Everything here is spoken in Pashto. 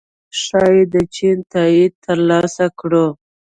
ښايي د چین تائید ترلاسه کړو